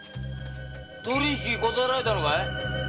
取り引き断られたのかい。